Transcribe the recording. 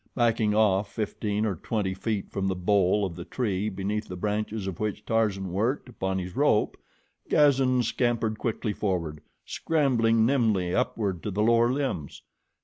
Backing off fifteen or twenty feet from the bole of the tree beneath the branches of which Tarzan worked upon his rope, Gazan scampered quickly forward, scrambling nimbly upward to the lower limbs.